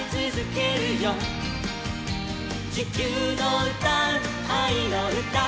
「地球のうたうあいのうた」